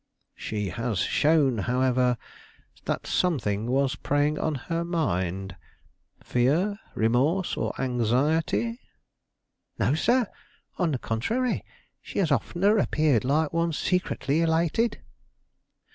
"She has shown, however, that something was preying on her mind fear, remorse, or anxiety?" "No, sir; on the contrary, she has oftener appeared like one secretly elated."